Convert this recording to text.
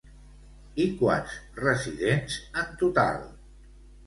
I quants residents en total?